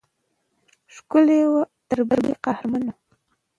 ښکلې وه او تر بلې قهرمانه.